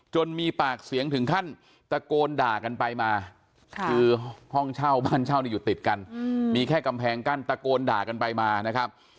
มีปากเสียงถึงขั้นตะโกนด่ากันไปมาคือห้องเช่าบ้านเช่านี่อยู่ติดกันมีแค่กำแพงกั้นตะโกนด่ากันไปมานะครับ